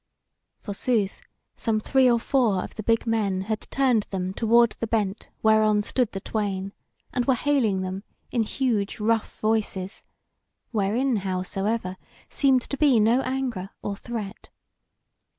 Forsooth, some three or four of the big men had turned them toward the bent whereon stood the twain, and were hailing them in huge, rough voices, wherein, howsoever, seemed to be no anger or threat.